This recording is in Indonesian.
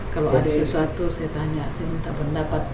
kalau ada sesuatu saya tanya saya minta pendapat